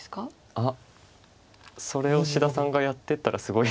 あっそれを志田さんがやってったらすごい。